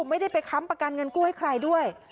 ไม่ได้ไปค้ำประกันเงินกู้ให้ใครด้วย